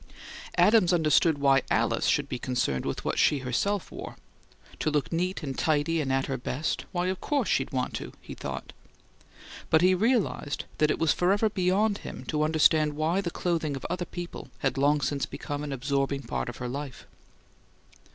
Adams understood why Alice should be concerned with what she herself wore "to look neat and tidy and at her best, why, of course she'd want to," he thought but he realized that it was forever beyond him to understand why the clothing of other people had long since become an absorbing part of her life.